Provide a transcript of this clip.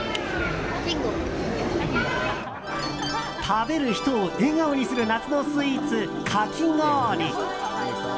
食べる人を笑顔にする夏のスイーツ、かき氷。